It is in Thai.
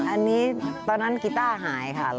อันนี้ตอนนั้นกีต้าหายค่ะ